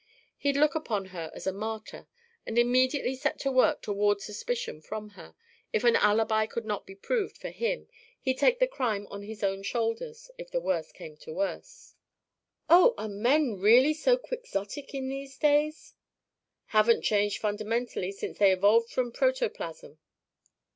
He'd look upon her as a martyr, and immediately set to work to ward suspicion from her; if an alibi could not be proved for him he'd take the crime on his own shoulders, if the worst came to worst." "Oh! Are men really so Quixotic in these days?" "Haven't changed fundamentally since they evolved from protoplasm."